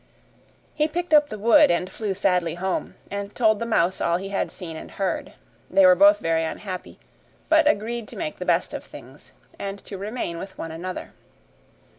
He picked up the wood, and flew sadly home, and told the mouse all he had seen and heard. They were both very unhappy, but agreed to make the best of things and to remain with one another.